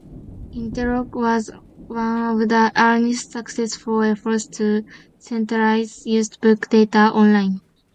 Interloc was one of the earliest successful efforts to centralize used book data online.